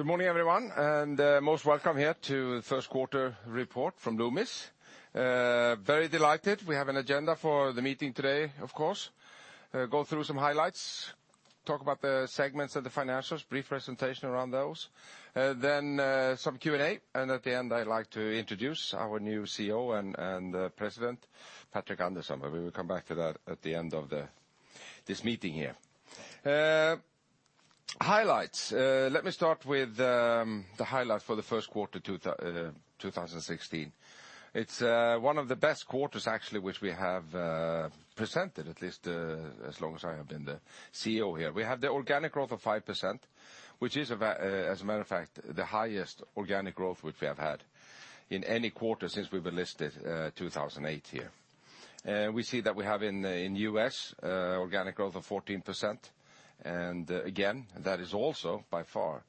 Good morning, everyone. Most welcome here to the first quarter report from Loomis. Very delighted. We have an agenda for the meeting today, of course. Go through some highlights, talk about the segments of the financials, brief presentation around those. Some Q&A, and at the end, I'd like to introduce our new CEO and President, Patrik Andersson. We will come back to that at the end of this meeting here. Highlights. Let me start with the highlights for the first quarter 2016. It's one of the best quarters actually, which we have presented at least as long as I have been the CEO here. We have the organic growth of 5%, which is, as a matter of fact, the highest organic growth which we have had in any quarter since we were listed 2008 here. We see that we have in U.S. organic growth of 14%. Again, that is also by far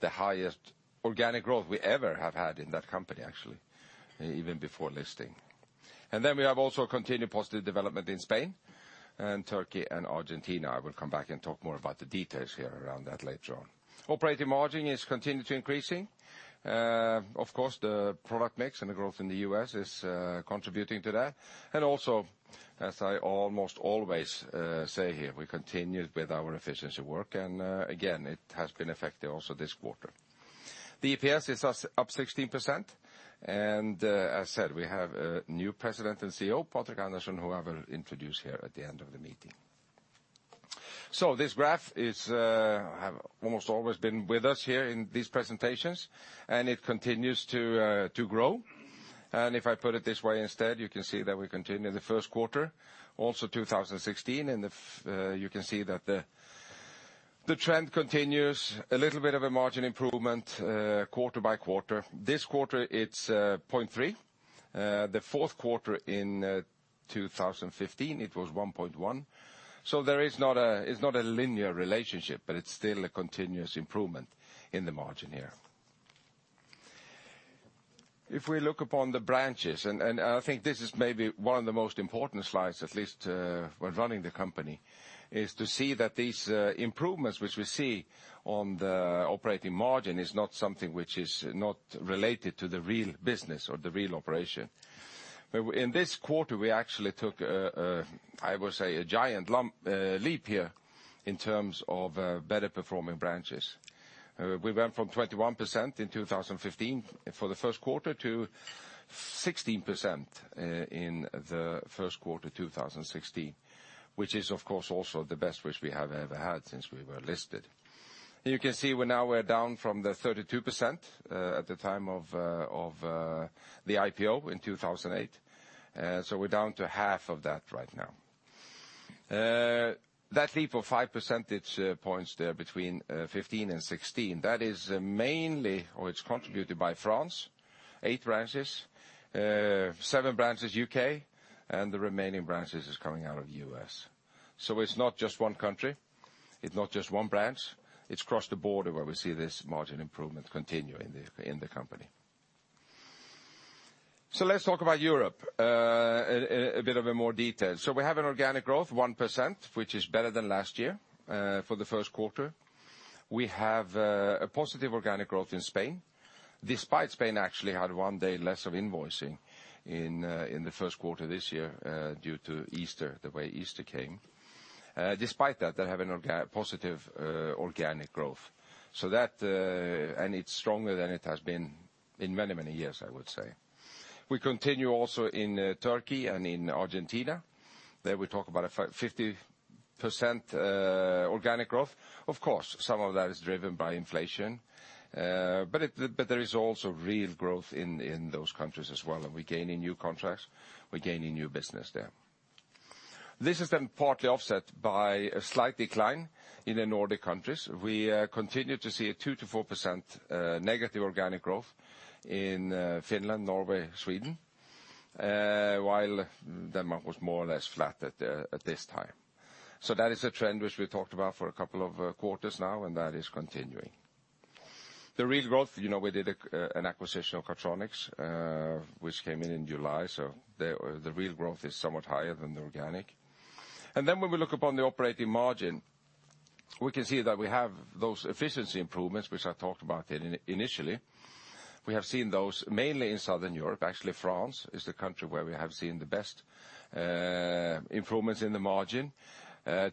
the highest organic growth we ever have had in that company actually, even before listing. We have also continued positive development in Spain and Turkey and Argentina. I will come back and talk more about the details here around that later on. Operating margin is continuing to increasing. Of course, the product mix and the growth in the U.S. is contributing to that. Also as I almost always say here, we continued with our efficiency work. Again, it has been effective also this quarter. The EPS is up 16% and as I said, we have a new President and CEO, Patrik Andersson, who I will introduce here at the end of the meeting. This graph has almost always been with us here in these presentations and it continues to grow. If I put it this way instead, you can see that we continue the first quarter, also 2016. You can see that the trend continues a little bit of a margin improvement quarter by quarter. This quarter it's 0.3. The fourth quarter in 2015 it was 1.1. It's not a linear relationship, but it's still a continuous improvement in the margin here. If we look upon the branches, I think this is maybe one of the most important slides, at least when running the company, is to see that these improvements which we see on the operating margin is not something which is not related to the real business or the real operation. In this quarter, we actually took I would say a giant leap here in terms of better performing branches. We went from 21% in 2015 for the first quarter to 16% in the first quarter 2016, which is of course also the best which we have ever had since we were listed. You can see now we're down from the 32% at the time of the IPO in 2008. We're down to half of that right now. That leap of 5 percentage points there between 2015 and 2016, that is mainly, or it's contributed by France, eight branches, seven branches U.K., and the remaining branches is coming out of U.S. It's not just one country, it's not just one branch. It's across the border where we see this margin improvement continuing in the company. Let's talk about Europe a bit of a more detail. We have an organic growth 1%, which is better than last year for the first quarter. We have a positive organic growth in Spain. Despite Spain actually had one day less of invoicing in the first quarter this year due to Easter, the way Easter came. Despite that, they have a positive organic growth. It's stronger than it has been in many, many years, I would say. We continue also in Turkey and in Argentina. There we talk about a 50% organic growth. Of course, some of that is driven by inflation, but there is also real growth in those countries as well, and we're gaining new contracts, we're gaining new business there. This is then partly offset by a slight decline in the Nordic countries. We continue to see a 2%-4% negative organic growth in Finland, Norway, Sweden, while Denmark was more or less flat at this time. That is a trend which we talked about for a couple of quarters now, and that is continuing. The real growth, we did an acquisition of Cardtronics which came in in July. The real growth is somewhat higher than the organic. When we look upon the operating margin, we can see that we have those efficiency improvements, which I talked about initially. We have seen those mainly in Southern Europe. Actually, France is the country where we have seen the best improvements in the margin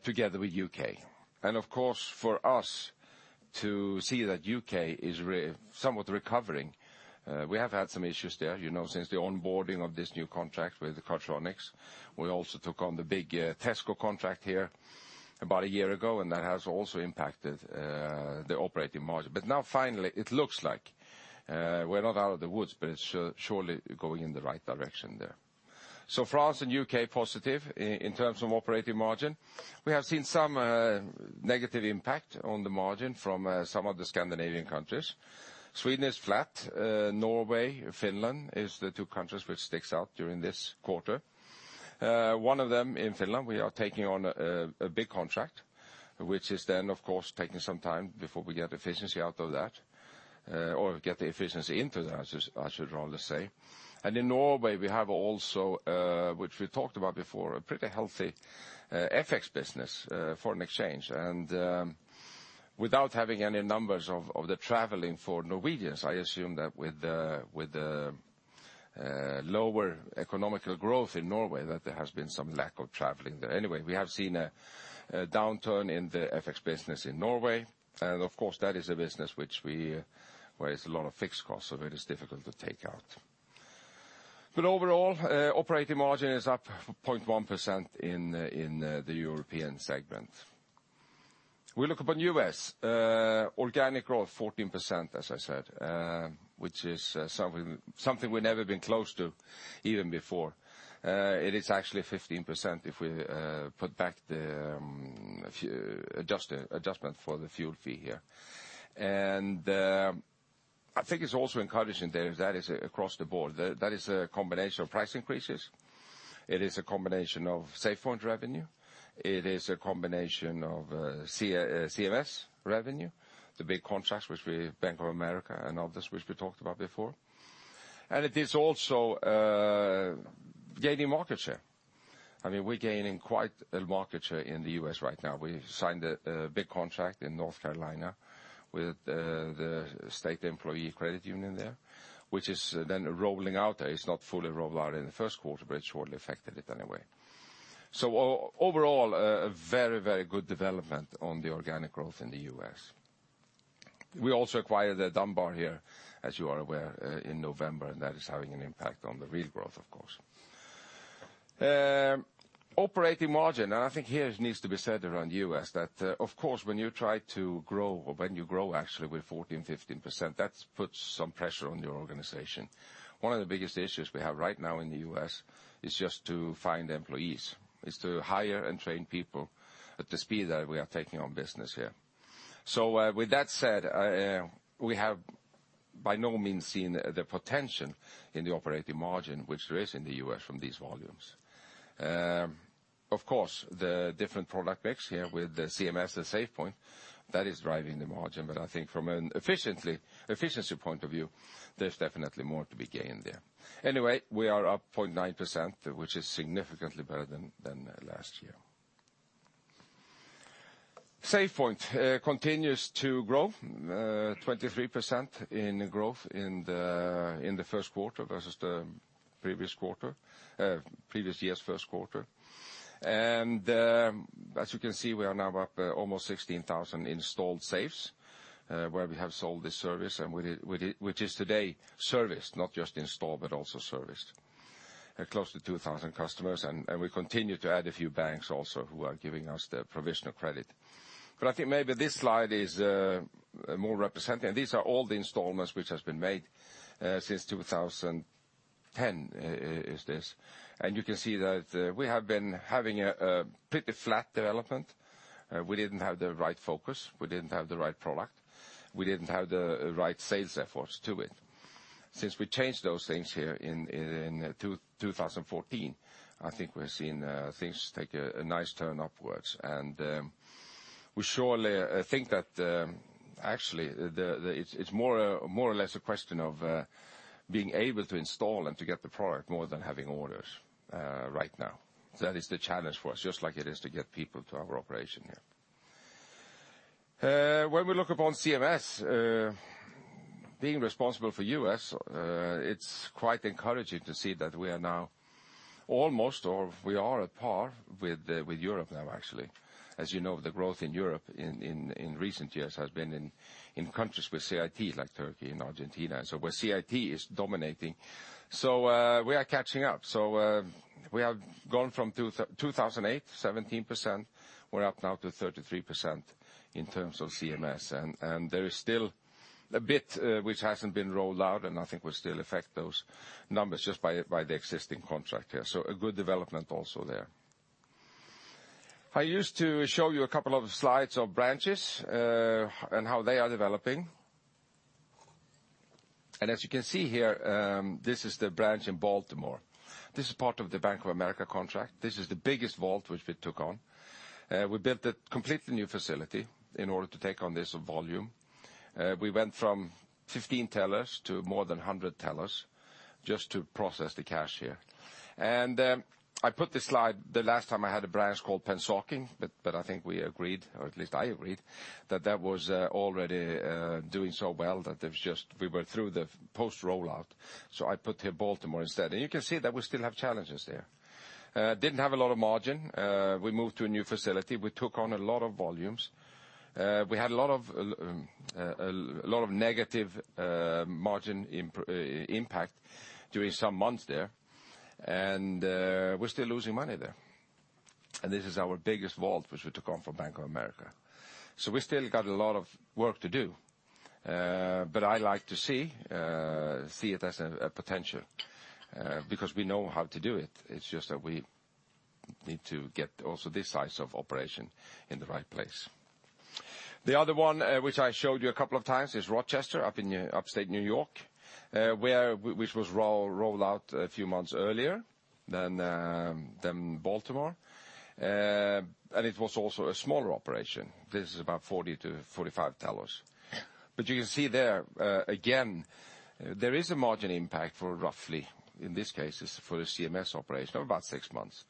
together with U.K. Of course, for us to see that U.K. is somewhat recovering, we have had some issues there since the onboarding of this new contract with Cardtronics. We also took on the big Tesco contract here about a year ago, and that has also impacted the operating margin. Now finally it looks like we're not out of the woods, but it's surely going in the right direction there. France and U.K. positive in terms of operating margin. We have seen some negative impact on the margin from some of the Scandinavian countries. Sweden is flat. Norway, Finland is the two countries which sticks out during this quarter. One of them in Finland, we are taking on a big contract, which is then of course taking some time before we get efficiency out of that, or get the efficiency into that I should rather say. In Norway we have also which we talked about before, a pretty healthy FX business foreign exchange. Without having any numbers of the traveling for Norwegians, I assume that with the lower economical growth in Norway, that there has been some lack of traveling there. Anyway, we have seen a downturn in the FX business in Norway, of course, that is a business where it's a lot of fixed costs, so it is difficult to take out. Overall, operating margin is up 0.1% in the European segment. We look upon U.S. Organic growth 14%, as I said, which is something we've never been close to even before. It is actually 15% if we put back the adjustment for the fuel fee here. I think it's also encouraging there that is across the board. That is a combination of price increases, it is a combination of SafePoint revenue, it is a combination of CMS revenue, the big contracts with Bank of America and others, which we talked about before, and it is also gaining market share. We're gaining quite a market share in the U.S. right now. Overall, a very good development on the organic growth in the U.S. We also acquired Dunbar here, as you are aware, in November, and that is having an impact on the real growth, of course. Operating margin, and I think here it needs to be said around U.S. that, of course, when you try to grow, or when you grow actually with 14%, 15%, that puts some pressure on your organization. One of the biggest issues we have right now in the U.S. is just to find employees, is to hire and train people at the speed that we are taking on business here. With that said, we have by no means seen the potential in the operating margin which there is in the U.S. from these volumes. Of course, the different product mix here with the CMS and SafePoint, that is driving the margin. But I think from an efficiency point of view, there is definitely more to be gained there. Anyway, we are up 0.9%, which is significantly better than last year. SafePoint continues to grow, 23% in growth in the first quarter versus the previous year's first quarter. And as you can see, we are now up almost 16,000 installed safes, where we have sold this service, which is today serviced, not just installed, but also serviced. Close to 2,000 customers, and we continue to add a few banks also who are giving us the provisional credit. But I think maybe this slide is more representative. These are all the installments which have been made since 2010. And you can see that we have been having a pretty flat development. We didn't have the right focus. We didn't have the right product. We didn't have the right sales efforts to it. Since we changed those things here in 2014, I think we've seen things take a nice turn upwards. And we surely think that actually it's more or less a question of being able to install and to get the product more than having orders right now. That is the challenge for us, just like it is to get people to our operation here. When we look upon CMS, being responsible for U.S. it's quite encouraging to see that we are now almost, or we are at par with Europe now, actually. As you know, the growth in Europe in recent years has been in countries with CIT, like Turkey and Argentina, where CIT is dominating. We are catching up. We have gone from 2008, 17%, we're up now to 33% in terms of CMS. And there is still a bit which hasn't been rolled out and I think will still affect those numbers just by the existing contract there. A good development also there. I used to show you a couple of slides of branches and how they are developing. And as you can see here, this is the branch in Baltimore. This is part of the Bank of America contract. This is the biggest vault which we took on. We built a completely new facility in order to take on this volume. We went from 15 tellers to more than 100 tellers just to process the cash here. I put this slide the last time I had a branch called Pennsauken, but I think we agreed, or at least I agreed, that that was already doing so well that we were through the post-rollout. I put here Baltimore instead. You can see that we still have challenges there. Didn't have a lot of margin. We moved to a new facility. We took on a lot of volumes. We had a lot of negative margin impact during some months there, and we're still losing money there. This is our biggest vault, which we took on from Bank of America. We still got a lot of work to do. I like to see it as a potential, because we know how to do it. It's just that we need to get also this size of operation in the right place. The other one, which I showed you a couple of times, is Rochester up in upstate New York, which was rolled out a few months earlier than Baltimore. It was also a smaller operation. This is about 40 to 45 tellers. You can see there, again, there is a margin impact for roughly, in this case, it's for the CMS operation, of about six months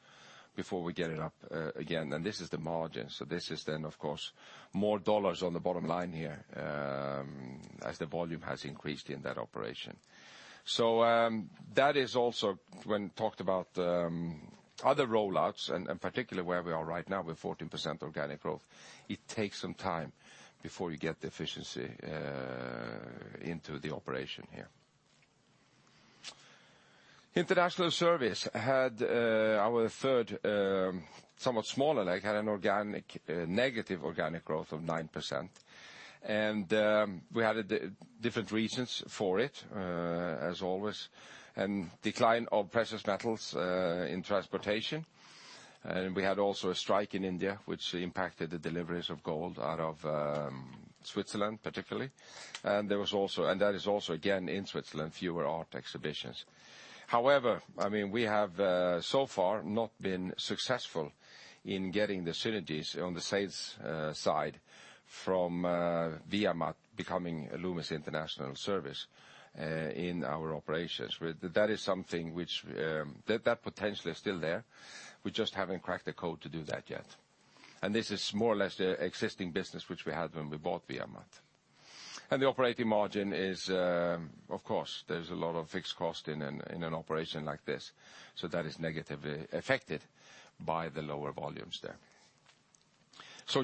before we get it up again. This is the margin. This is then, of course, more SEK on the bottom line here as the volume has increased in that operation. That is also when talked about Other rollouts, and particularly where we are right now with 14% organic growth, it takes some time before you get the efficiency into the operation here. Loomis International had our third, somewhat smaller leg, had a negative organic growth of 9%. We had different reasons for it, as always. Decline of precious metals in transportation. We had also a strike in India, which impacted the deliveries of gold out of Switzerland, particularly. That is also, again, in Switzerland, fewer art exhibitions. However, we have so far not been successful in getting the synergies on the sales side from VIA MAT becoming Loomis International in our operations. That potential is still there. We just haven't cracked the code to do that yet. This is more or less the existing business which we had when we bought VIA MAT. The operating margin is, of course, there's a lot of fixed cost in an operation like this, so that is negatively affected by the lower volumes there.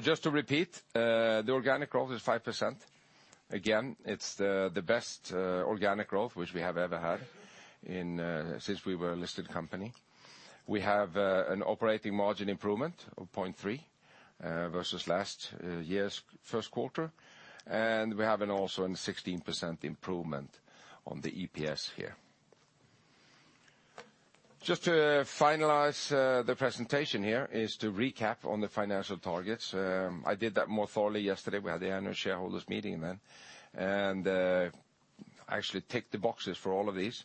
Just to repeat, the organic growth is 5%. Again, it's the best organic growth which we have ever had since we were a listed company. We have an operating margin improvement of 0.3% versus last year's first quarter. We have also a 16% improvement on the EPS here. Just to finalize the presentation here is to recap on the financial targets. I did that more thoroughly yesterday. We had the annual shareholders meeting then. I actually ticked the boxes for all of these.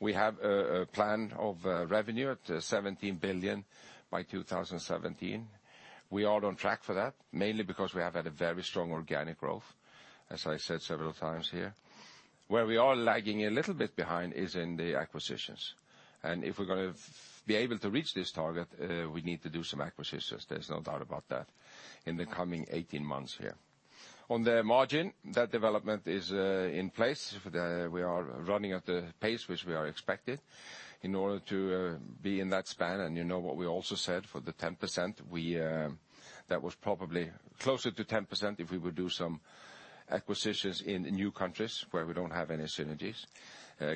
We have a plan of revenue at 17 billion by 2017. We are on track for that, mainly because we have had a very strong organic growth, as I said several times here. Where we are lagging a little bit behind is in the acquisitions. If we're going to be able to reach this target, we need to do some acquisitions, there's no doubt about that, in the coming 18 months here. On the margin, that development is in place. We are running at the pace which we are expected in order to be in that span. You know what we also said for the 10%, that was probably closer to 10% if we would do some acquisitions in new countries where we don't have any synergies.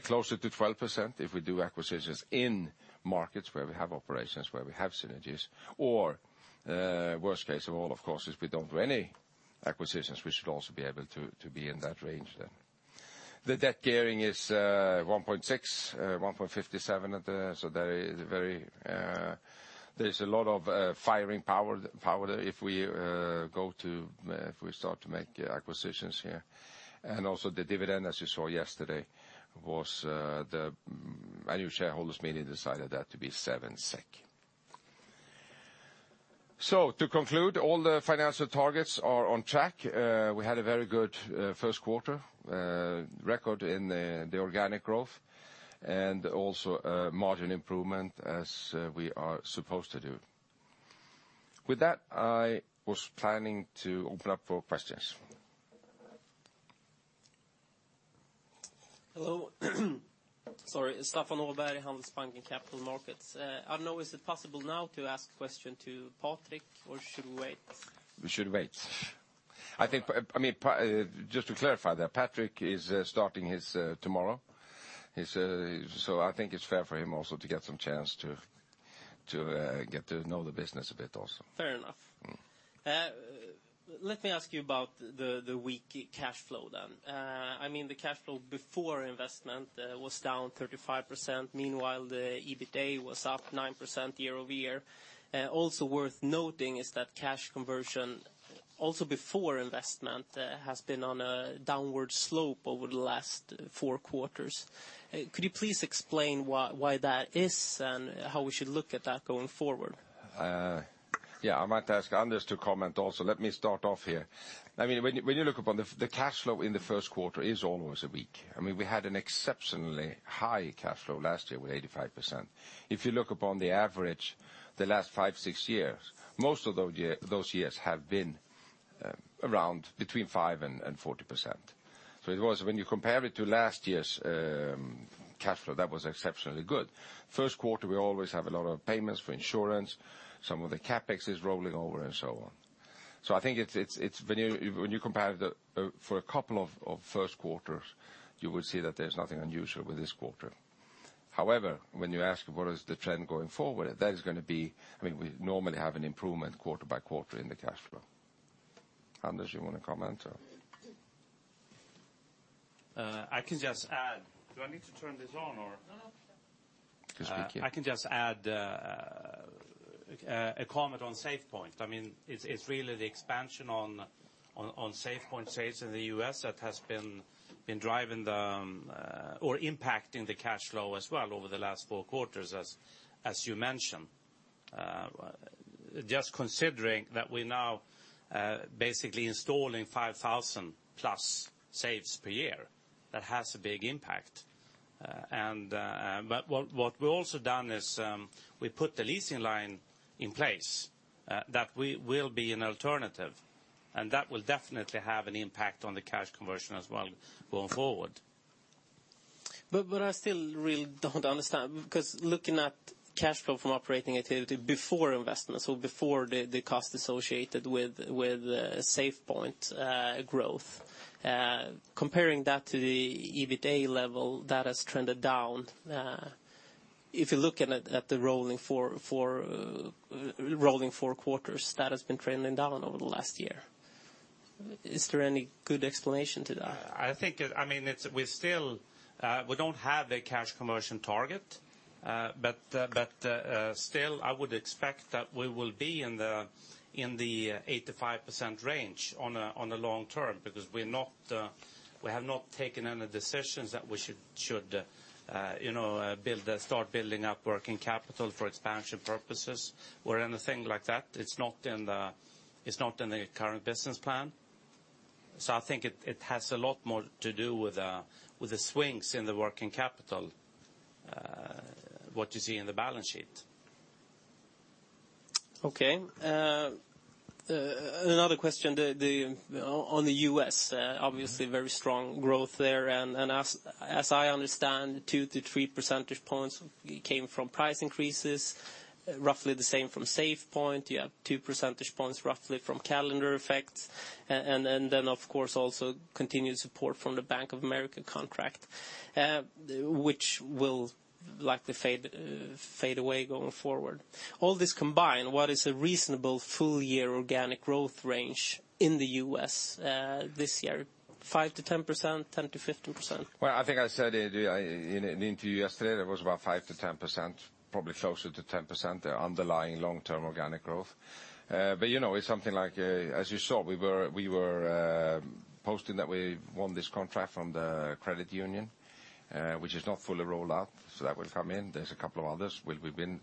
Closer to 12% if we do acquisitions in markets where we have operations, where we have synergies, or worst case of all, of course, is if we don't do any acquisitions, we should also be able to be in that range then. The debt gearing is 1.6, 1.57. There's a lot of firing power there if we start to make acquisitions here. Also the dividend, as you saw yesterday, the annual shareholders meeting decided that to be 7 SEK. To conclude, all the financial targets are on track. We had a very good first quarter record in the organic growth. Also a margin improvement as we are supposed to do. With that, I was planning to open up for questions. Hello. Sorry. Staffan Åberg, Handelsbanken Capital Markets. I don't know, is it possible now to ask a question to Patrik, or should we wait? We should wait. Just to clarify there, Patrik is starting his tomorrow. I think it's fair for him also to get some chance to get to know the business a bit also. Fair enough. Let me ask you about the weak cash flow. The cash flow before investment was down 35%. Meanwhile, the EBITA was up 9% year-over-year. Also worth noting is that cash conversion, also before investment, has been on a downward slope over the last four quarters. Could you please explain why that is and how we should look at that going forward? Yeah. I might ask Anders to comment also. Let me start off here. When you look upon the cash flow in the first quarter is always weak. We had an exceptionally high cash flow last year with 85%. If you look upon the average the last five, six years, most of those years have been between 5% and 40%. When you compare it to last year's cash flow, that was exceptionally good. First quarter, we always have a lot of payments for insurance, some of the CapEx is rolling over, and so on. I think when you compare for a couple of first quarters, you will see that there's nothing unusual with this quarter. However, when you ask what is the trend going forward, we normally have an improvement quarter by quarter in the cash flow. Anders, you want to comment? I can just add. Do I need to turn this on, or? No. Just speak here. I can just add a comment on SafePoint. It's really the expansion on SafePoint safes in the U.S. that has been impacting the cash flow as well over the last four quarters, as you mentioned. Just considering that we're now basically installing 5,000+ safes per year, that has a big impact. What we've also done is we put the leasing line in place that will be an alternative, and that will definitely have an impact on the cash conversion as well going forward. I still really don't understand, because looking at cash flow from operating activity before investments or before the cost associated with SafePoint growth, comparing that to the EBITA level that has trended down. If you're looking at the rolling four quarters, that has been trending down over the last year. Is there any good explanation to that? We don't have a cash conversion target, I would expect that we will be in the 85% range on the long term, because we have not taken any decisions that we should start building up working capital for expansion purposes or anything like that. It's not in the current business plan. I think it has a lot more to do with the swings in the working capital, what you see in the balance sheet. Okay. Another question on the U.S. Obviously very strong growth there and as I understand, 2%-3% percentage points came from price increases, roughly the same from SafePoint. You have 2 percentage points roughly from calendar effects, and then, of course, also continued support from the Bank of America contract which will likely fade away going forward. All this combined, what is a reasonable full year organic growth range in the U.S. this year? 5%-10%? 10%-15%? I think I said in the interview yesterday that it was about 5%-10%, probably closer to 10%, the underlying long-term organic growth. It's something like, as you saw, we were posting that we won this contract from the credit union, which is not fully rolled out. That will come in. There's a couple of others where we've been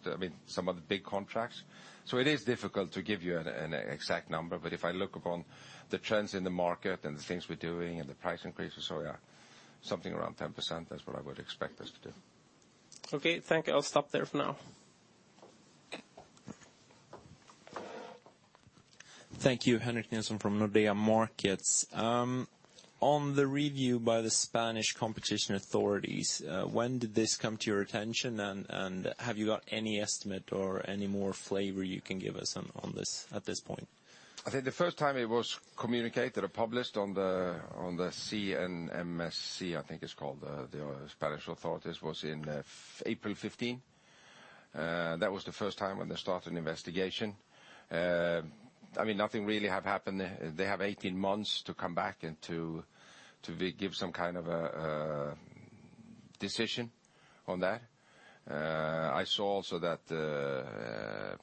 some of the big contracts. It is difficult to give you an exact number, but if I look upon the trends in the market and the things we're doing and the price increases, yeah, something around 10%, that's what I would expect us to do. Okay, thank you. I'll stop there for now. Thank you. Henrik Nilsson from Nordea Markets. On the review by the Spanish competition authorities, when did this come to your attention, and have you got any estimate or any more flavor you can give us on this at this point? I think the first time it was communicated or published on the CNMC, I think it's called, the Spanish authorities, was in April 2015. That was the first time when they started an investigation. Nothing really has happened. They have 18 months to come back and to give some kind of a decision on that. I saw also that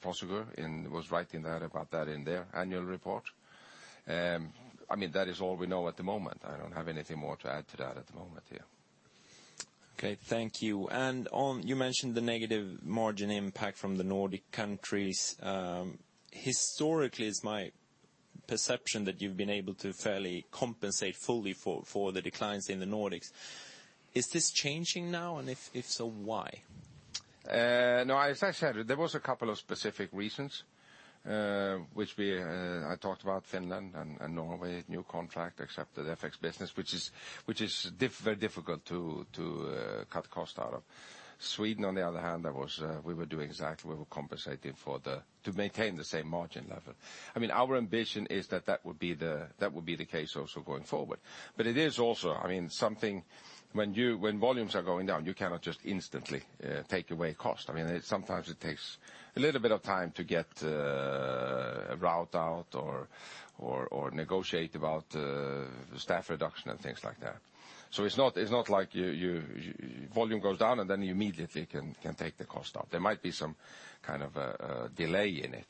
Prosegur was writing about that in their annual report. That is all we know at the moment. I don't have anything more to add to that at the moment here. Okay. Thank you. You mentioned the negative margin impact from the Nordic countries. Historically, it's my perception that you've been able to fairly compensate fully for the declines in the Nordics. Is this changing now, and if so, why? No, as I said, there was a couple of specific reasons which I talked about Finland and Norway, new contract, except the FX business, which is very difficult to cut cost out of. Sweden, on the other hand, we were doing exactly, we were compensating to maintain the same margin level. Our ambition is that that would be the case also going forward. It is also something when volumes are going down, you cannot just instantly take away cost. Sometimes it takes a little bit of time to get a route out or negotiate about staff reduction and things like that. It's not like volume goes down and then you immediately can take the cost out. There might be some kind of a delay in it.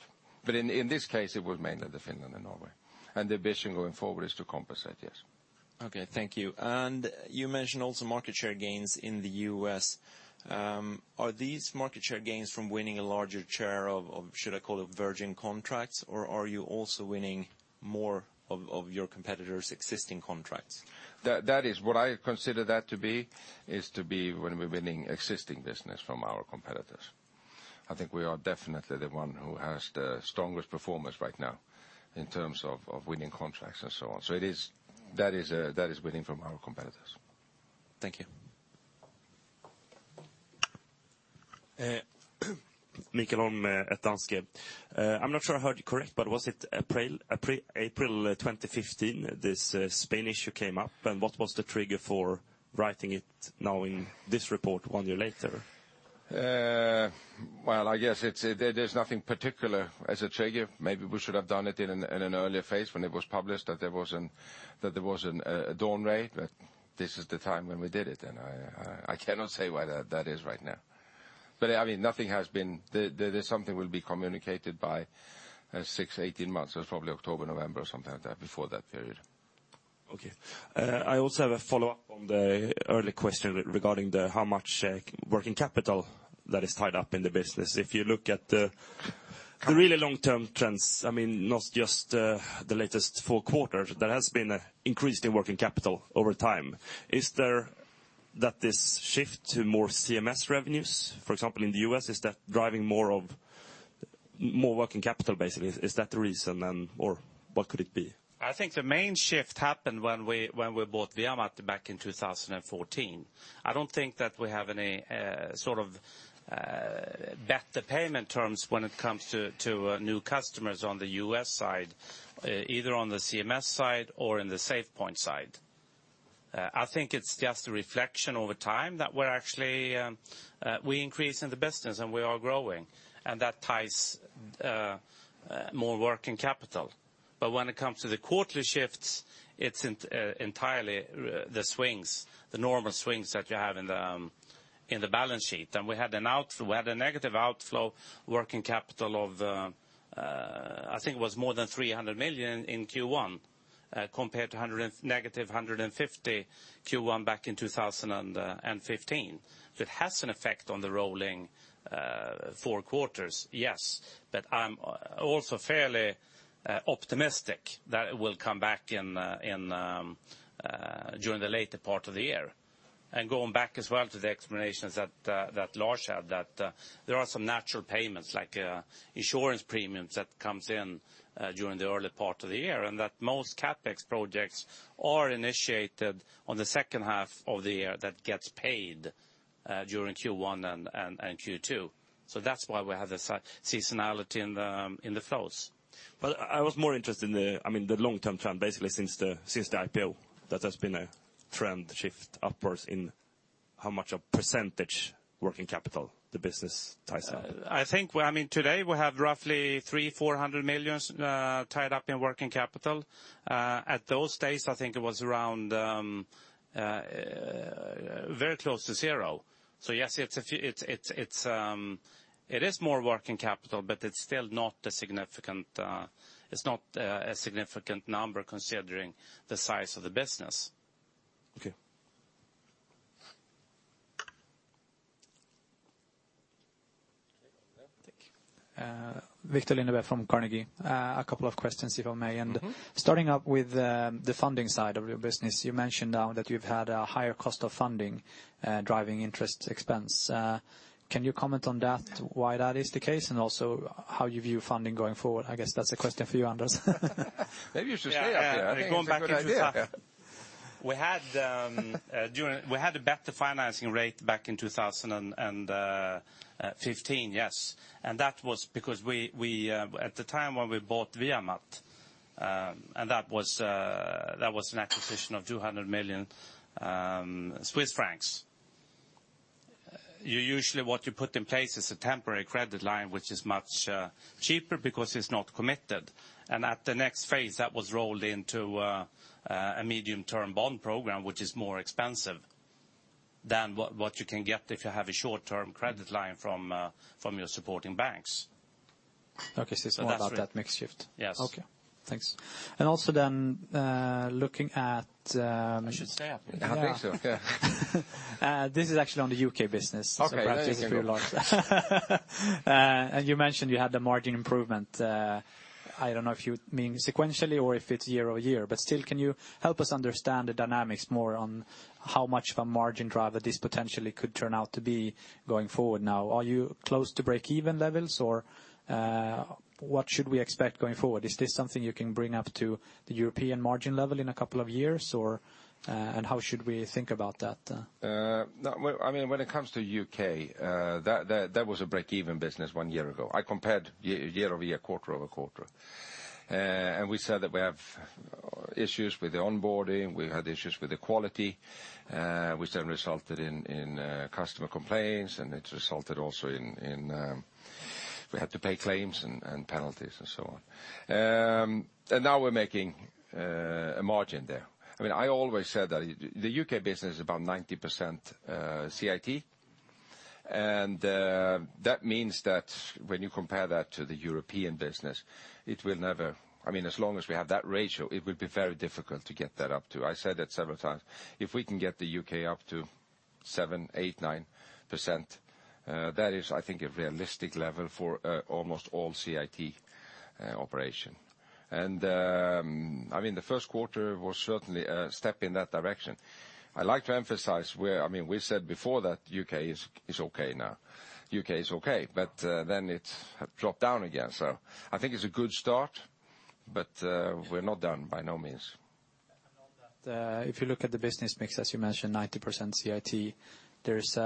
In this case, it was mainly the Finland and Norway, and the ambition going forward is to compensate, yes. Okay. Thank you. You mentioned also market share gains in the U.S. Are these market share gains from winning a larger share of, should I call it virgin contracts? Are you also winning more of your competitors' existing contracts? What I consider that to be is to be when we're winning existing business from our competitors. I think we are definitely the one who has the strongest performance right now in terms of winning contracts and so on. That is winning from our competitors. Thank you. Mikael Blom at Danske. I'm not sure I heard you correct, but was it April 2015 this Spain issue came up? What was the trigger for writing it now in this report one year later? Well, I guess there's nothing particular as a trigger. Maybe we should have done it in an earlier phase when it was published that there was a dawn raid, but this is the time when we did it. I cannot say why that is right now. Something will be communicated by six to 18 months, so it's probably October, November, or something like that, before that period. Okay. I also have a follow-up on the earlier question regarding how much working capital that is tied up in the business. If you look at the really long-term trends, not just the latest four quarters, there has been an increase in working capital over time. Is that this shift to more CMS revenues? For example, in the U.S., is that driving more of working capital, basically. Is that the reason, or what could it be? I think the main shift happened when we bought VIA MAT back in 2014. I don't think that we have any better payment terms when it comes to new customers on the U.S. side, either on the CMS side or in the SafePoint side. I think it's just a reflection over time that we're actually increasing the business and we are growing, and that ties more working capital. When it comes to the quarterly shifts, it's entirely the normal swings that you have in the balance sheet. We had a negative outflow working capital of, I think it was more than 300 million in Q1 compared to -150 Q1 back in 2015. It has an effect on the rolling four quarters, yes. I'm also fairly optimistic that it will come back during the later part of the year. Going back as well to the explanations that Lars had, that there are some natural payments like insurance premiums that comes in during the early part of the year, and that most CapEx projects are initiated on the second half of the year that gets paid during Q1 and Q2. That's why we have the seasonality in the flows. I was more interested in the long-term trend. Basically, since the IPO, there has been a trend shift upwards in how much of % working capital the business ties up. Today we have roughly 300 million, 400 million tied up in working capital. At those days, I think it was very close to zero. Yes, it is more working capital, it's still not a significant number considering the size of the business. Okay. Viktor Lindeberg from Carnegie. A couple of questions, if I may. Starting up with the funding side of your business. You mentioned now that you've had a higher cost of funding driving interest expense. Can you comment on that, why that is the case, and also how you view funding going forward? I guess that's a question for you, Anders. Maybe you should stay up here. Yeah. I think it's a good idea. Going back into that. We had a better financing rate back in 2015, yes. That was because at the time when we bought VIA MAT, that was an acquisition of 200 million Swiss francs. Usually what you put in place is a temporary credit line, which is much cheaper because it is not committed. At the next phase, that was rolled into a medium-term bond program, which is more expensive than what you can get if you have a short-term credit line from your supporting banks. It's more about that mix shift. Yes. Thanks. I should stay up here. I think so, yeah. This is actually on the U.K. business. Okay. Perhaps this is for Lars. You mentioned you had the margin improvement. I don't know if you mean sequentially or if it's year-over-year, but still can you help us understand the dynamics more on how much of a margin driver this potentially could turn out to be going forward now? Are you close to break-even levels, or what should we expect going forward? Is this something you can bring up to the European margin level in a couple of years, and how should we think about that? When it comes to the U.K., that was a break-even business one year ago. I compared year-over-year, quarter-over-quarter. We said that we have issues with the onboarding, we had issues with the quality, which then resulted in customer complaints, and it resulted also in we had to pay claims and penalties and so on. Now we're making a margin there. I always said that the U.K. business is about 90% CIT, and that means that when you compare that to the European business, as long as we have that ratio, it will be very difficult to get that up too. I said that several times. If we can get the U.K. up to 7%, 8%, 9%, that is, I think, a realistic level for almost all CIT operation. The first quarter was certainly a step in that direction. I like to emphasize, we said before that U.K. is okay now. U.K. is okay, it dropped down again. I think it's a good start, we're not done, by no means. If you look at the business mix, as you mentioned, 90% CIT. There's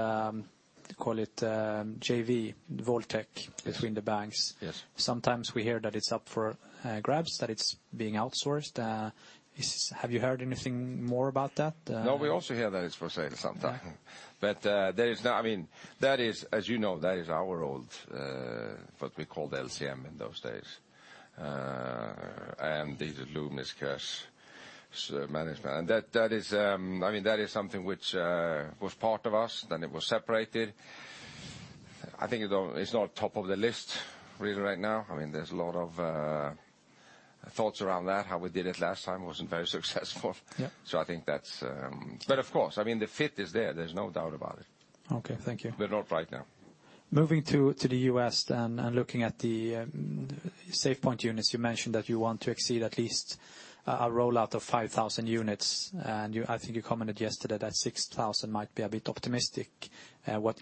a, call it JV, Vaultex, between the banks. Yes. Sometimes we hear that it's up for grabs, that it's being outsourced. Have you heard anything more about that? No, we also hear that it's for sale sometimes. As you know, that is our old, what we called LCM in those days, Loomis Cash Management. That is something which was part of us, then it was separated. I think it's not top of the list really right now. There's a lot of thoughts around that. How we did it last time wasn't very successful. Yeah. Of course, the fit is there. There's no doubt about it. Okay, thank you. Not right now. Moving to the U.S. then, and looking at the SafePoint units, you mentioned that you want to exceed at least a rollout of 5,000 units, and I think you commented yesterday that 6,000 might be a bit optimistic,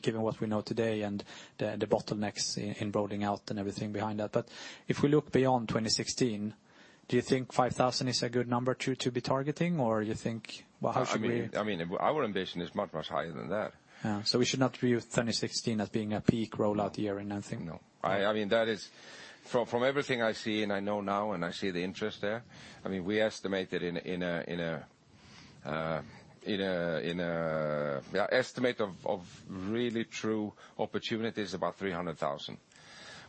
given what we know today and the bottlenecks in rolling out and everything behind that. If we look beyond 2016, do you think 5,000 is a good number to be targeting? You think, well, how should we- Our ambition is much, much higher than that. We should not view 2016 as being a peak rollout year or nothing? No. From everything I see and I know now and I see the interest there, our estimate of really true opportunity is about 300,000.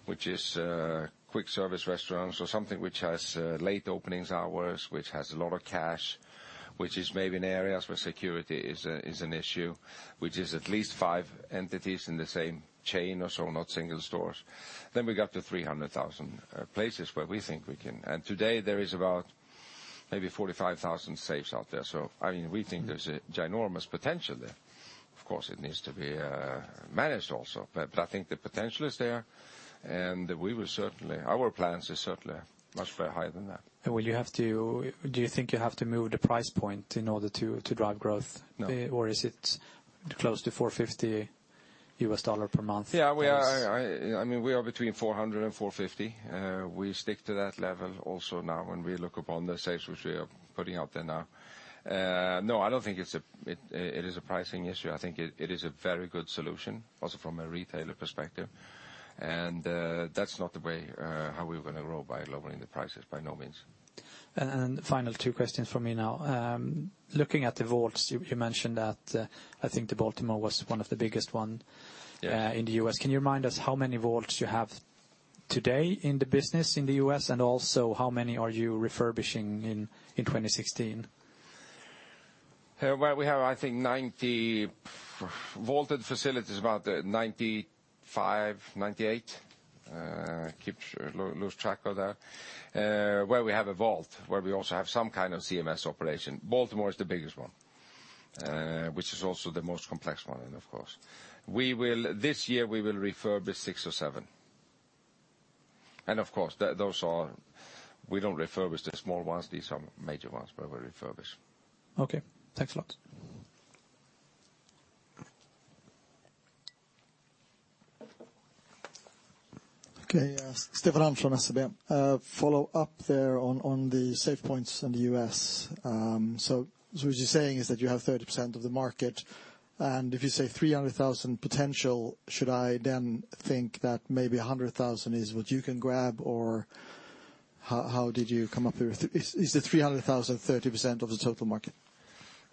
Quick service restaurants or something which has late openings hours, which has a lot of cash, which is maybe in areas where security is an issue, which is at least 5 entities in the same chain or so, not single stores. We got to 300,000 places where we think we can. Today there is about maybe 45,000 safes out there. We think there's a ginormous potential there. Of course, it needs to be managed also. I think the potential is there, and our plans are certainly much very higher than that. Do you think you have to move the price point in order to drive growth? No. Is it close to $450 US per month? Yeah. We are between 400 and 450. We stick to that level also now when we look upon the safes, which we are putting out there now. No, I don't think it is a pricing issue. I think it is a very good solution also from a retailer perspective. That's not the way how we're going to grow by lowering the prices, by no means. Final two questions from me now. Looking at the vaults, you mentioned that, I think the Baltimore was one of the biggest one- Yeah in the U.S. Can you remind us how many vaults you have today in the business in the U.S., and also, how many are you refurbishing in 2016? Well, we have I think 90 vaulted facilities, about 95, 98. Lose track of that, where we have a vault, where we also have some kind of CMS operation. Baltimore is the biggest one, which is also the most complex one, of course. This year we will refurbish six or seven. Of course, we don't refurbish the small ones. These are major ones where we refurbish. Okay, thanks a lot. Okay. Stefan from SEB. Follow up there on the SafePoints in the U.S. What you're saying is that you have 30% of the market, and if you say 300,000 potential, should I then think that maybe 100,000 is what you can grab, or how did you come up with? Is the 300,000 30% of the total market?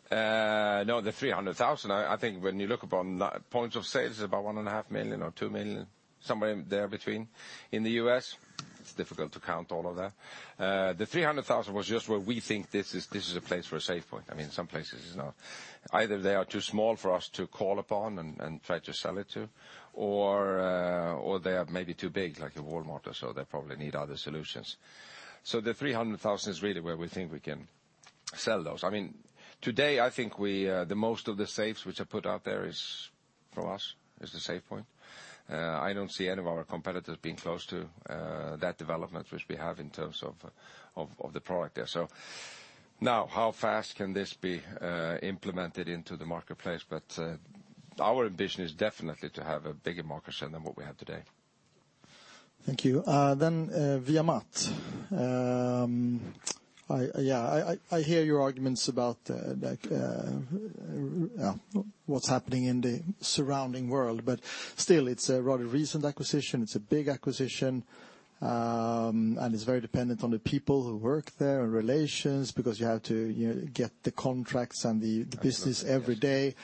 No, the 300,000, I think when you look upon points of sales is about one and a half million or two million, somewhere in there between, in the U.S. It's difficult to count all of that. The 300,000 was just where we think this is a place for a SafePoint. Some places is not. Either they are too small for us to call upon and try to sell it to or they are maybe too big, like a Walmart, or they probably need other solutions. The 300,000 is really where we think we can sell those. Today, I think the most of the safes which are put out there is from us, is the SafePoint. I don't see any of our competitors being close to that development, which we have in terms of the product there. Now, how fast can this be implemented into the marketplace? Our ambition is definitely to have a bigger market share than what we have today. Thank you. VIA MAT. I hear your arguments about what's happening in the surrounding world, still it's a rather recent acquisition. It's a big acquisition, it's very dependent on the people who work there and relations because you have to get the contracts and the business every day.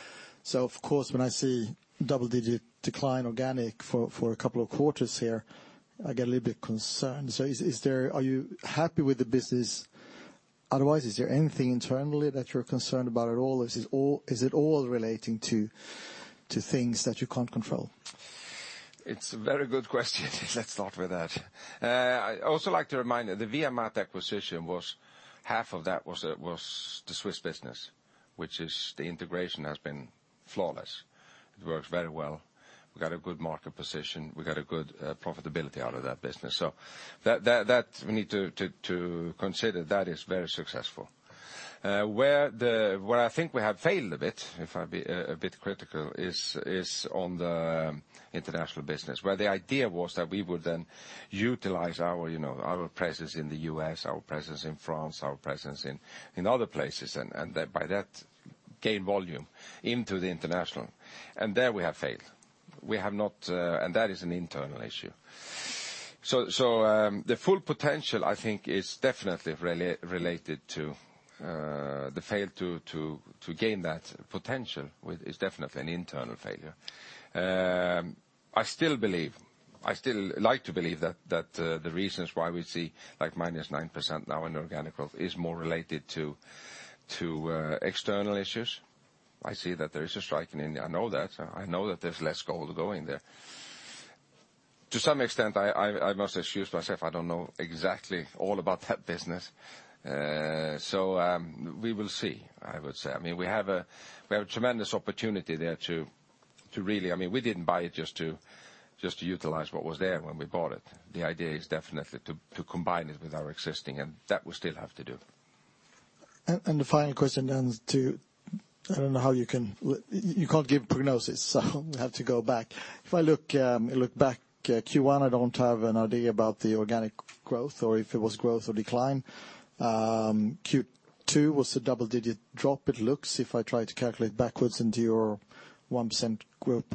Of course, when I see double-digit decline organic for a couple of quarters here, I get a little bit concerned. Are you happy with the business? Otherwise, is there anything internally that you're concerned about at all, or is it all relating to things that you can't control? It's a very good question. Let's start with that. I also like to remind that the VIA MAT acquisition, half of that was the Swiss business. The integration has been flawless. It works very well. We got a good market position. We got a good profitability out of that business. We need to consider that is very successful. Where I think we have failed a bit, if I may be a bit critical, is on the international business. The idea was that we would then utilize our presence in the U.S., our presence in France, our presence in other places, by that gain volume into the international. There we have failed. That is an internal issue. The full potential, I think, is definitely related to the fail to gain that potential is definitely an internal failure. I still like to believe that the reasons why we see like -9% now in organic growth is more related to external issues. I see that there is a strike in India. I know that. I know that there's less gold going there. To some extent, I must excuse myself, I don't know exactly all about that business. We will see, I would say. We have a tremendous opportunity there to really. We didn't buy it just to utilize what was there when we bought it. The idea is definitely to combine it with our existing, that we still have to do. The final question then to, I don't know. You can't give prognosis, so we have to go back. If I look back Q1, I don't have an idea about the organic growth or if it was growth or decline. Q2 was a double-digit drop, it looks, if I try to calculate backwards into your 1%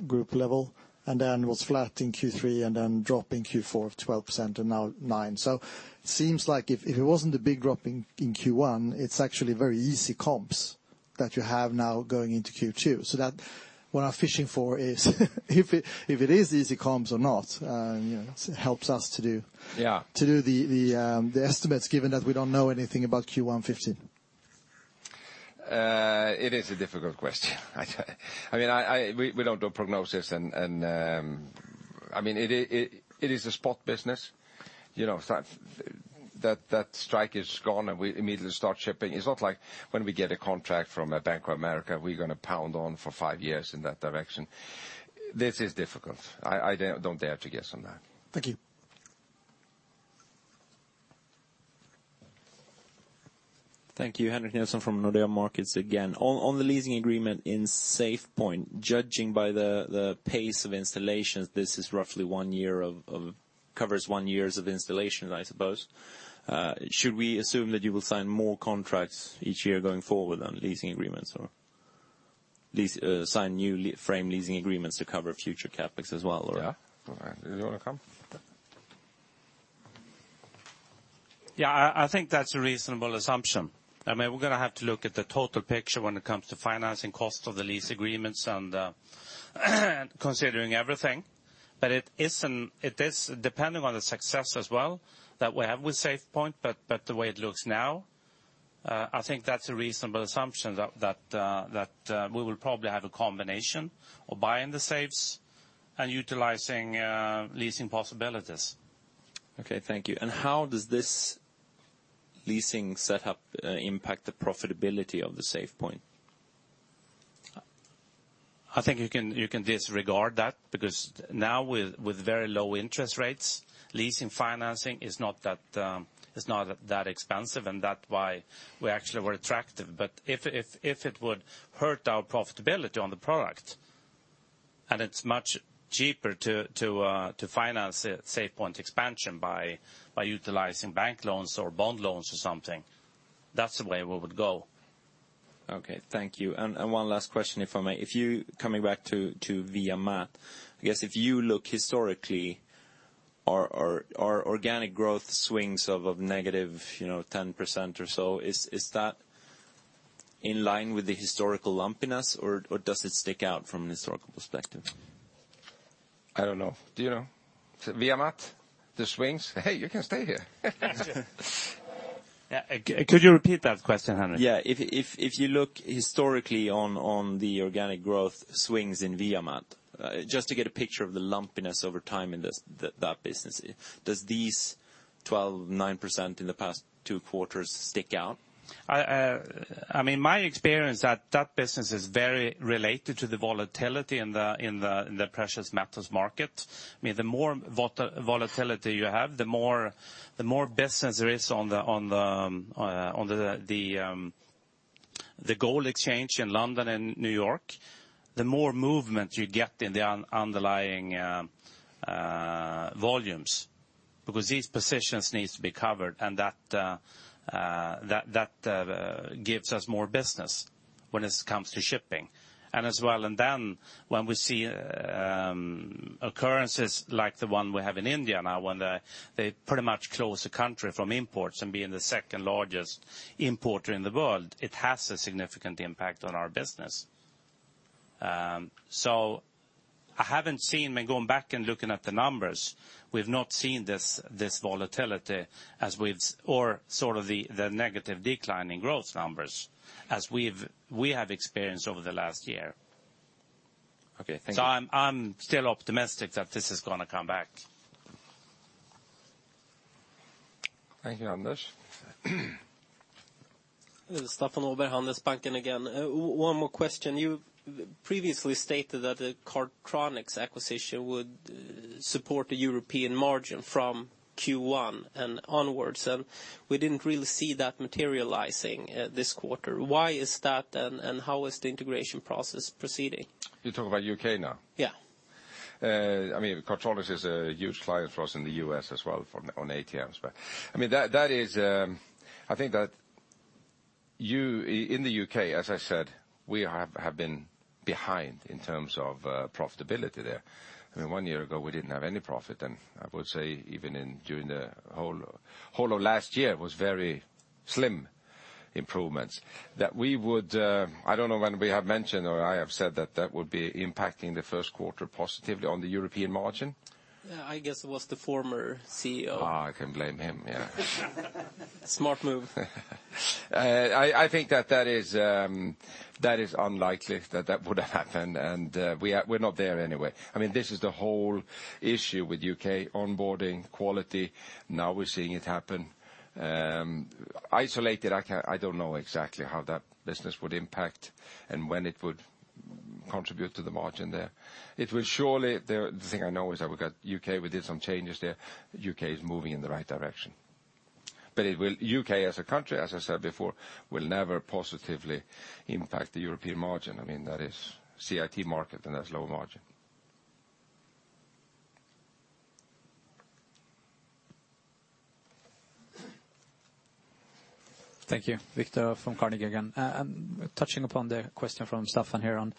group level, and then was flat in Q3 and then drop in Q4 of 12% and now 9%. Seems like if it wasn't a big drop in Q1, it's actually very easy comps that you have now going into Q2. What I'm fishing for is if it is easy comps or not, it helps us to do- Yeah to do the estimates given that we don't know anything about Q1 2015. It is a difficult question. We don't do prognosis, and it is a spot business. That strike is gone. We immediately start shipping. It's not like when we get a contract from a Bank of America, we're going to pound on for 5 years in that direction. This is difficult. I don't dare to guess on that. Thank you. Thank you. Henrik Nilsson from Nordea Markets again. On the leasing agreement in SafePoint, judging by the pace of installations, this roughly covers one year of installation, I suppose. Should we assume that you will sign more contracts each year going forward on leasing agreements, or lease sign new frame leasing agreements to cover future CapEx as well or? Yeah. Do you want to come? Yeah, I think that's a reasonable assumption. We're going to have to look at the total picture when it comes to financing cost of the lease agreements and considering everything. It is depending on the success as well that we have with SafePoint, but the way it looks now, I think that's a reasonable assumption that we will probably have a combination of buying the safes and utilizing leasing possibilities. Okay, thank you. How does this leasing set up impact the profitability of the SafePoint? I think you can disregard that because now with very low interest rates, leasing financing is not that expensive and that why we actually were attractive. If it would hurt our profitability on the product, and it's much cheaper to finance SafePoint expansion by utilizing bank loans or bond loans or something, that's the way we would go. Okay, thank you. One last question, if I may. Coming back to VIA MAT, I guess if you look historically, our organic growth swings of -10% or so, is that in line with the historical lumpiness or does it stick out from an historical perspective? I don't know. Do you know? VIA MAT, the swings. Hey, you can stay here. Could you repeat that question, Henrik? Yeah. If you look historically on the organic growth swings in VIA MAT, just to get a picture of the lumpiness over time in that business, does these 12%, 9% in the past two quarters stick out? My experience, that business is very related to the volatility in the precious metals market. The more volatility you have, the more business there is on the gold exchange in London and New York, the more movement you get in the underlying volumes because these positions needs to be covered, and that gives us more business when it comes to shipping. As well and then when we see occurrences like the one we have in India now, when they pretty much close the country from imports and being the second-largest importer in the world, it has a significant impact on our business. I haven't seen, going back and looking at the numbers, we've not seen this volatility Or the negative decline in growth numbers as we have experienced over the last year. Okay. Thank you. I'm still optimistic that this is going to come back. Thank you, Anders. Staffan Åberg, Handelsbanken again. One more question. You previously stated that the Cardtronics acquisition would support the European margin from Q1 and onwards, we didn't really see that materializing this quarter. Why is that, and how is the integration process proceeding? You're talking about U.K. now? Yeah. Cardtronics is a huge client for us in the U.S. as well on ATMs. I think that in the U.K., as I said, we have been behind in terms of profitability there. One year ago, we didn't have any profit, and I would say even during the whole of last year was very slim improvements. I don't know when we have mentioned or I have said that that would be impacting the first quarter positively on the European margin. I guess it was the former CEO. Oh, I can blame him, yeah. Smart move. I think that is unlikely that that would happen. We're not there anyway. This is the whole issue with U.K.: onboarding, quality. Now we're seeing it happen. Isolated, I don't know exactly how that business would impact and when Contribute to the margin there. The thing I know is that we got U.K., we did some changes there. U.K. is moving in the right direction. U.K. as a country, as I said before, will never positively impact the European margin. That is CIT market, and that's low margin. Thank you. Viktor from Carnegie again. I'm touching upon the question from Staffan here on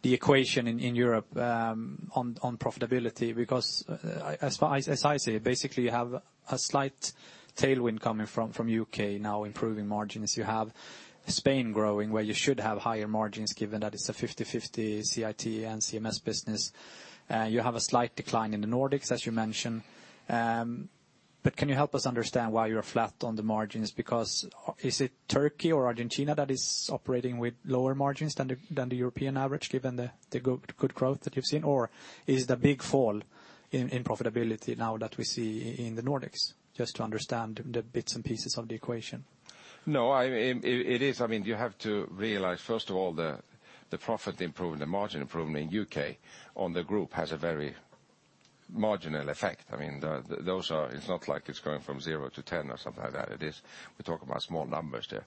the equation in Europe on profitability, because as I see it, basically you have a slight tailwind coming from U.K. now improving margins. You have Spain growing where you should have higher margins given that it's a 50/50 CIT and CMS business. You have a slight decline in the Nordics, as you mentioned. Can you help us understand why you're flat on the margins? Is it Turkey or Argentina that is operating with lower margins than the European average, given the good growth that you've seen? Is the big fall in profitability now that we see in the Nordics? Just to understand the bits and pieces of the equation. No, you have to realize, first of all, the profit improvement, the margin improvement in U.K. on the group has a very marginal effect. It's not like it's going from 0 to 10 or something like that. We're talking about small numbers there.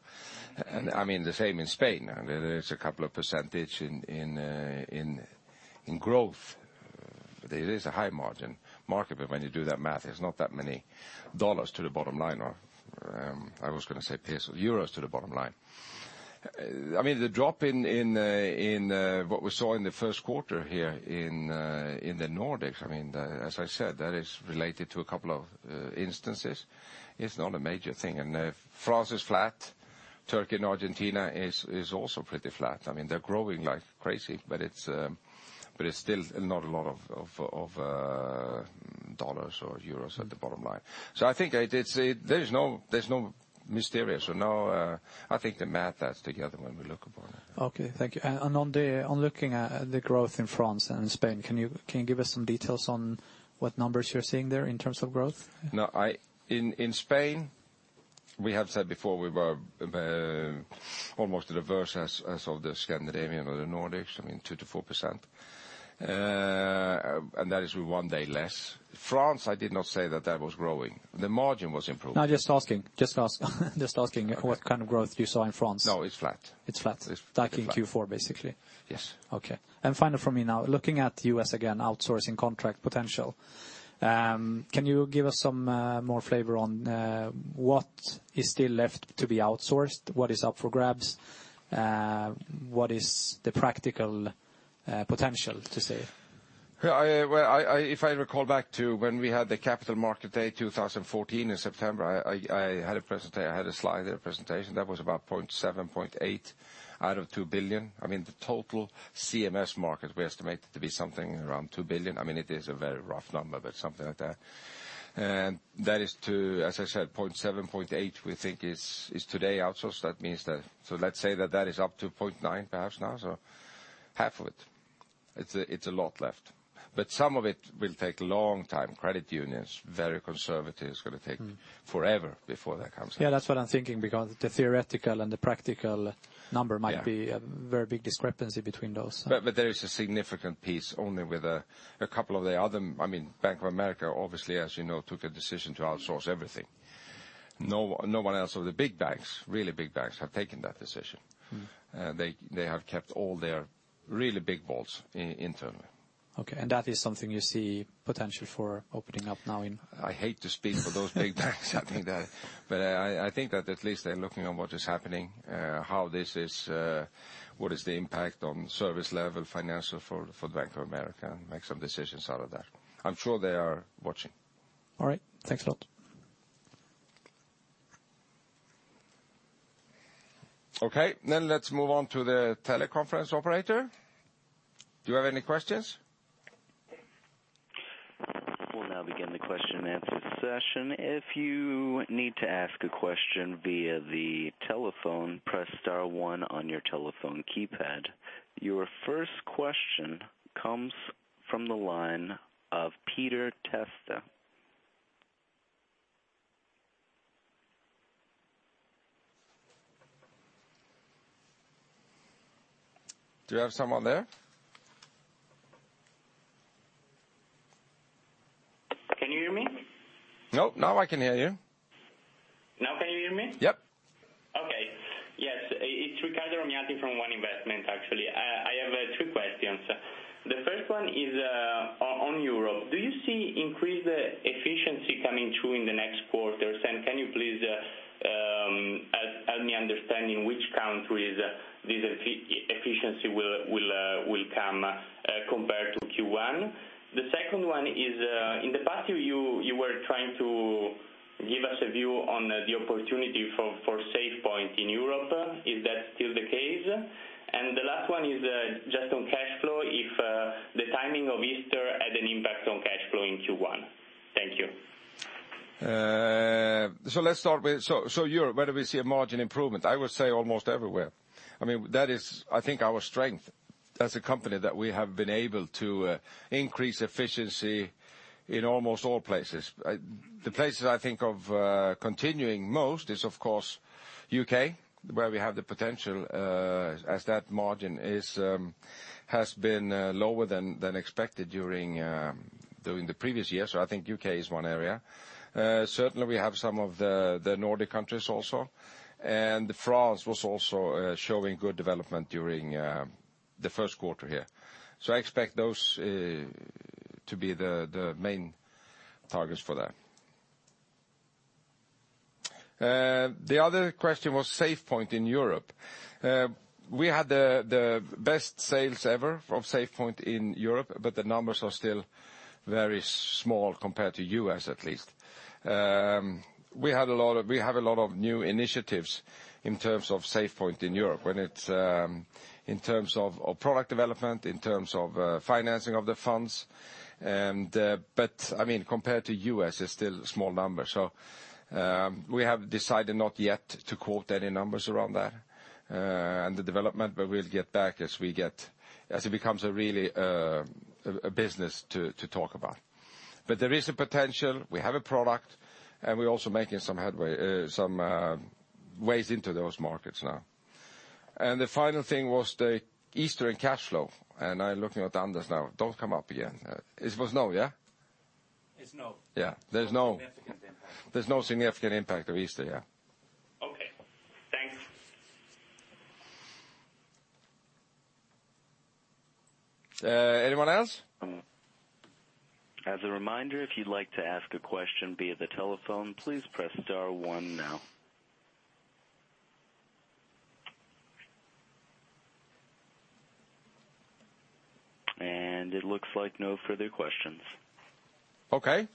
The same in Spain. There's a couple of percentage in growth. There is a high margin market, when you do that math, it's not that many dollars to the bottom line, or I was going to say pesos, euros to the bottom line. The drop in what we saw in the first quarter here in the Nordics, as I said, that is related to a couple of instances. It's not a major thing. France is flat. Turkey and Argentina is also pretty flat. They're growing like crazy, but it's still not a lot of dollars or euros at the bottom line. I think the math adds together when we look upon it. Okay. Thank you. On looking at the growth in France and Spain, can you give us some details on what numbers you're seeing there in terms of growth? In Spain, we have said before we were almost the reverse as of the Scandinavian or the Nordics, 2%-4%. That is with one day less. France, I did not say that that was growing. The margin was improved. No, just asking. Just asking what kind of growth you saw in France. No, it's flat. It's flat. It's flat. Back in Q4, basically. Yes. Final from me now. Looking at U.S. again, outsourcing contract potential, can you give us some more flavor on what is still left to be outsourced? What is up for grabs? What is the practical potential to save? If I recall back to when we had the capital market day 2014 in September, I had a slide in a presentation that was about 0.7 billion, 0.8 billion out of 2 billion. The total CMS market we estimated to be something around 2 billion. It is a very rough number, but something like that. That is to, as I said, 0.7 billion, 0.8 billion we think is today outsourced. Let's say that that is up to 0.9 billion perhaps now, so half of it. It's a lot left. Some of it will take a long time. Credit unions, very conservative. It's going to take forever before that comes out. Yeah, that's what I'm thinking because the theoretical and the practical number might be a very big discrepancy between those. There is a significant piece only with a couple of the other. Bank of America, obviously, as you know, took a decision to outsource everything. No one else of the big banks, really big banks, have taken that decision. They have kept all their really big vaults internally. Okay, that is something you see potential for opening up now. I hate to speak for those big banks. I think that at least they're looking on what is happening, what is the impact on service level financial for Bank of America, and make some decisions out of that. I'm sure they are watching. All right. Thanks a lot. Okay, let's move on to the teleconference operator. Do you have any questions? We'll now begin the question and answer session. If you need to ask a question via the telephone, press star one on your telephone keypad. Your first question comes from the line of Peter Testa. Do you have someone there? Can you hear me? No, now I can hear you. Now can you hear me? Yep. Okay. Yes. It's Riccardo Romiti from One Investment, actually. I have two questions. The first one is on Europe. Do you see increased efficiency coming through in the next quarters? Can you please help me understand in which countries this efficiency will come compared to Q1? The second one is, in the past you were trying to give us a view on the opportunity for SafePoint in Europe. Is that still the case? The last one is just on cash flow, if the timing of Easter had an impact on cash flow in Q1. Thank you. Let's start with Europe, whether we see a margin improvement. I would say almost everywhere. That is, I think our strength as a company that we have been able to increase efficiency in almost all places. The places I think of continuing most is, of course, U.K., where we have the potential as that margin has been lower than expected during the previous year. I think U.K. is one area. Certainly, we have some of the Nordic countries also. France was also showing good development during the first quarter here. I expect those to be the main targets for that. The other question was SafePoint in Europe. We had the best sales ever of SafePoint in Europe, but the numbers are still very small compared to U.S. at least. We have a lot of new initiatives in terms of SafePoint in Europe, when it's in terms of product development, in terms of financing of the funds. Compared to U.S., it's still a small number. We have decided not yet to quote any numbers around that and the development, but we'll get back as it becomes a business to talk about. There is a potential, we have a product, and we're also making some ways into those markets now. The final thing was the Easter and cash flow. I'm looking at Anders now. Don't come up again. It was no, yeah? It's no. Yeah. There's no. No significant impact. There's no significant impact of Easter, yeah. Okay. Thanks. Anyone else? As a reminder, if you'd like to ask a question via the telephone, please press star one now. It looks like no further questions. Okay.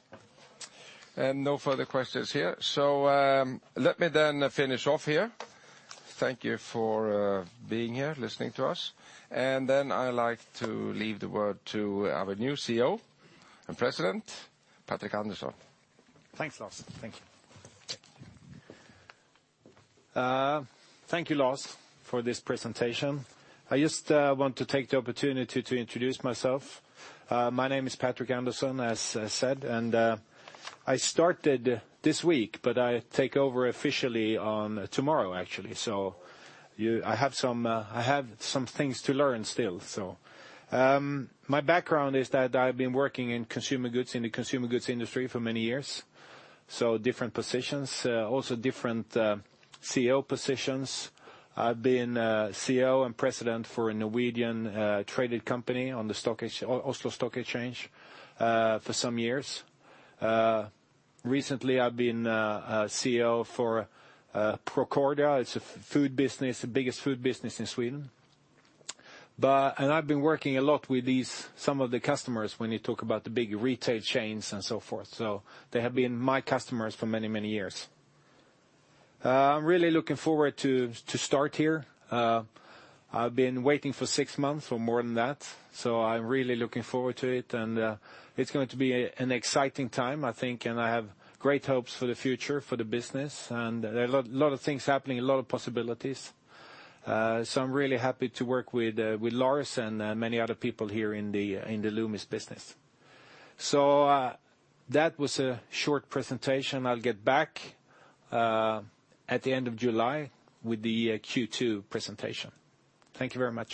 No further questions here. Let me then finish off here. Thank you for being here, listening to us. Then I like to leave the word to our new CEO and President, Patrik Andersson. Thanks, Lars. Thank you. Thank you, Lars, for this presentation. I just want to take the opportunity to introduce myself. My name is Patrik Andersson, as said, and I started this week, but I take over officially tomorrow, actually. I have some things to learn still. My background is that I've been working in the consumer goods industry for many years. Different positions, also different CEO positions. I've been CEO and President for a Norwegian traded company on the Oslo Stock Exchange, for some years. Recently, I've been CEO for Procordia. It's a food business, the biggest food business in Sweden. I've been working a lot with some of the customers when you talk about the big retail chains and so forth. They have been my customers for many, many years. I'm really looking forward to start here. I've been waiting for six months or more than that, so I'm really looking forward to it, and it's going to be an exciting time, I think, and I have great hopes for the future for the business. There are a lot of things happening, a lot of possibilities. I'm really happy to work with Lars and many other people here in the Loomis business. That was a short presentation. I'll get back at the end of July with the Q2 presentation. Thank you very much.